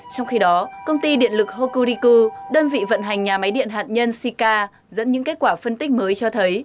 trong khi đó công ty điện lực hokuriku đơn vị vận hành nhà máy điện hạt nhân sika dẫn những kết quả phân tích mới cho thấy